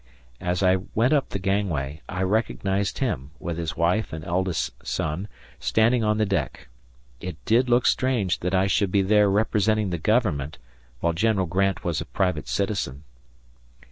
As I went up the gangway, I recognized him, with his wife and eldest son, standing on the deck. It did look strange that I should be there representing the government, while General Grant was a private citizen.